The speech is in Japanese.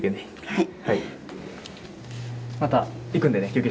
はい。